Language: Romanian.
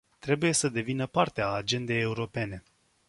Trebuie să devină parte a agendei europene.